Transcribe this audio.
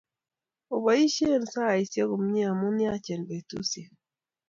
Oboisie saisiek komie ,amu yaachenbetusiek.